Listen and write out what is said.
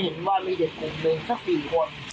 แล้วผมก็เห็นว่ามีปีนตรงนึงสักปีนคว่า